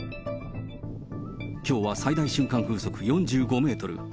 きょうは最大瞬間風速４５メートル。